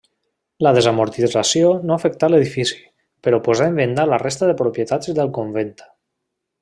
La desamortització no afectà l'edifici, però posà en venda la resta de propietats del convent.